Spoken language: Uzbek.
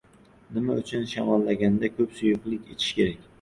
Nima uchun shamollaganda ko‘p suyuqlik ichish kerak?